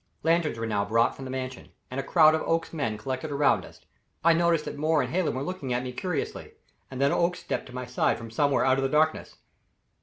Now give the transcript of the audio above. Lanterns were now brought from the Mansion, and a crowd of Oakes's men collected around us. I noticed that Moore and Hallen were looking at me curiously; and then Oakes stepped to my side from somewhere out in the darkness.